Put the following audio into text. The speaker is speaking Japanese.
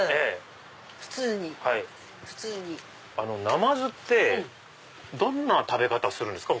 なまずってどんな食べ方するんですか？